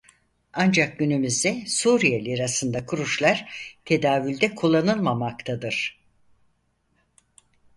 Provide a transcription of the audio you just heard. Ancak günümüzde Suriye lirasında kuruşlar tedavülde kullanılmamaktadır.